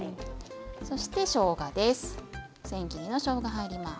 そして、しょうがです。